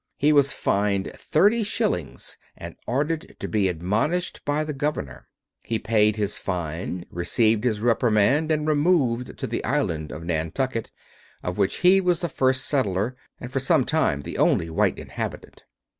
He was fined thirty shillings, and ordered to be admonished by the governor. He paid his fine, received his reprimand, and removed to the island of Nantucket, of which he was the first settler, and for some time the only white inhabitant.